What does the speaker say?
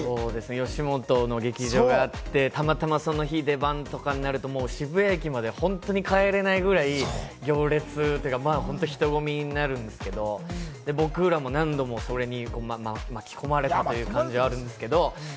吉本の劇場があって、たまたまその日、出番とかになると渋谷駅まで本当に帰れないぐらい、行列というか人混みになるんですけれども、僕らも何度もそれに巻き込まれたという感じはあるんですけれども。